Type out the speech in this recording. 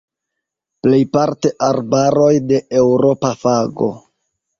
Plejparte arbaroj de eŭropa fago.